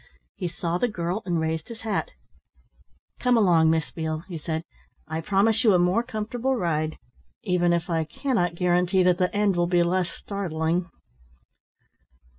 He saw the girl, and raised his hat. "Come along, Miss Beale," he said. "I promise you a more comfortable ride even if I cannot guarantee that the end will be less startling."